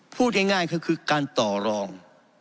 พูดง่ายก็คือการต่อรอง